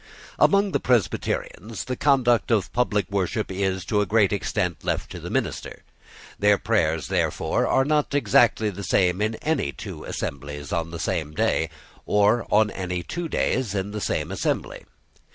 Among the Presbyterians the conduct of public worship is, to a great extent, left to the minister. Their prayers, therefore, are not exactly the same in any two assemblies on the same day, or on any two days in the same assembly.